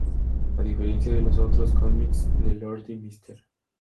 A diferencia de los otros cómics de Lordi, Mr.